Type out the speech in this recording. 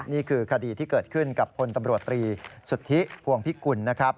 นี่คือคดีที่เกิดขึ้นกับพลตำรวจตรีสุทธิพวงพิกุลนะครับ